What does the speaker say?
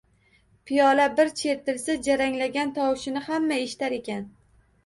Piyola bir chertilsa jaranglagan tovushini hamma eshitar ekan